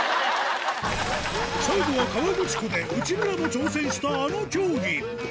最後は河口湖で内村も挑戦したあの競技。